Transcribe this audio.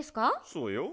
そうよ。